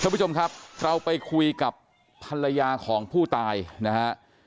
คุณผู้ชมครับเราไปคุยกับภรรยาของผู้ตายนะฮะ